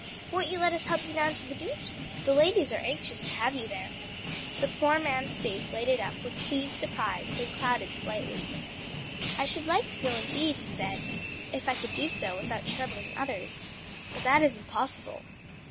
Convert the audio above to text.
"Won't you let us help you down to the beach? the ladies are anxious to have you there." The poor man's face lighted up with pleased surprise, then clouded slightly. "I should like to go indeed," he said, "if I could do so without troubling others; but that is impossible."